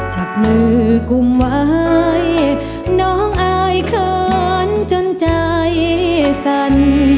จับมือกลุ่มไว้น้องอายเขินจนใจสั่น